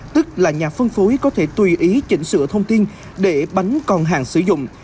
tức là nhà phân phối có thể tùy ý chỉnh sửa thông tin để bánh còn hàng sử dụng